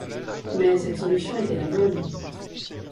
Mais cette solution était la bonne.